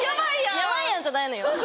「ヤバいやん」じゃないのよ。